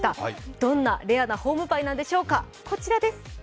どんなレアなホームパイなんでしょうか、こちらです。